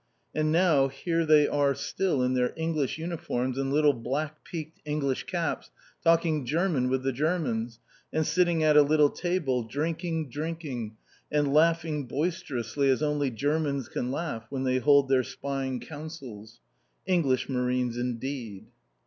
And now, here they are still, in their English uniforms, and little black peaked English caps, talking German with the Germans, and sitting at a little table, drinking, drinking, and laughing boisterously as only Germans can laugh when they hold their spying councils. English Marines indeed!